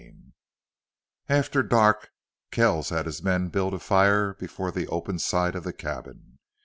7 After dark Kells had his men build a fire before the open side of the cabin.